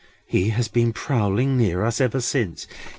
"He has been prowling near us ever since!"